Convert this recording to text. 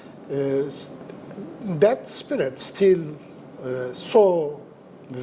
sejauh yang saya bisa lihat